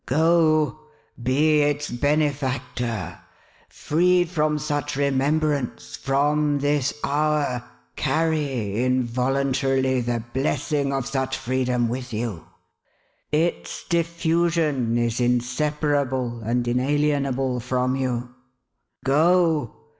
Go ! Be its benefactor ! Freed from such remembrance, from this hour, carry involuntarily the blessing of such freedom with you. Its diffusion is inseparable and inalienable from you. Go